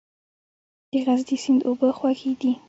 د غزني سیند اوبه خوږې دي؟